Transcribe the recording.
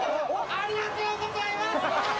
ありがとうございます！